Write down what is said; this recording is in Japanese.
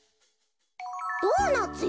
ドーナツよ。